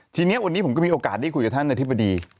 ทีนี้วันนี้ผมก็มีโอกาสได้คุยกับท่านอธิบดี